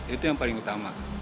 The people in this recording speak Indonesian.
itu yang paling utama